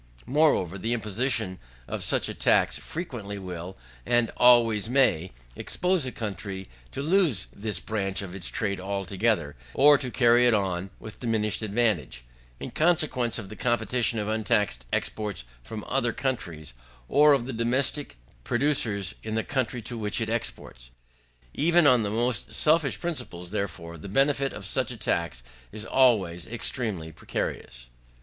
Moreover, the imposition of such a tax frequently will, and always may, expose a country to lose this branch of its trade altogether, or to carry it on with diminished advantage, in consequence of the competition of untaxed exporters from other countries, or of the domestic producers in the country to which it exports. Even on the most selfish principles, therefore, the benefit of such a tax is always extremely precarious.